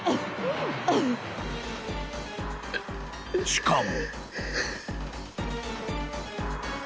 ［しかも］